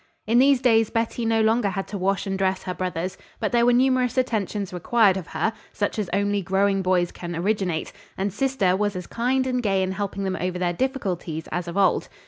In these days Betty no longer had to wash and dress her brothers, but there were numerous attentions required of her, such as only growing boys can originate, and "sister" was as kind and gay in helping them over their difficulties as of old.